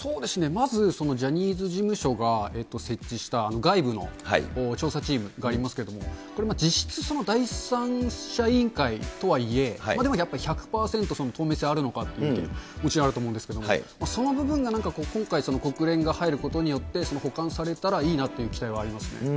まずジャニーズ事務所が設置した外部の調査チームがありますけども、これ、実質第三者委員会とはいえ、でもやっぱ１００％透明性あるのかっていうのは、もちろんあると思うんですけど、その部分がなんか今回、国連が入ることによって、補完されたらいいなという期待はありますね。